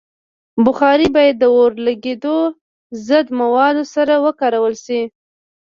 بخاري باید د اورلګیدو ضد موادو سره وکارول شي.